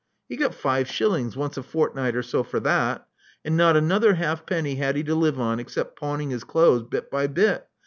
He got five shillings once a fortnight or so for that ; and not another half penny had he to live on except pawning his clothes bit by bit.